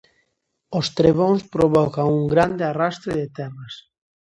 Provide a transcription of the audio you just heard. Os trebóns provocan un grande arrastre de terras.